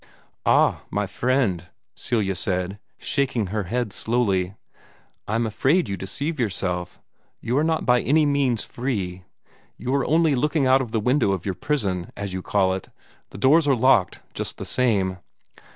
"Ah, my friend," Celia said, shaking her head slowly, "I'm afraid you deceive yourself. You are not by any means free. You are only looking out of the window of your prison, as you call it. The doors are locked, just the same."